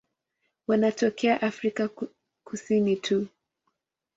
Wanatokea Afrika Kusini tu.